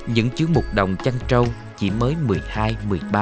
những chuyến mục đồng chăn trâu chỉ mới một mươi hai một mươi ba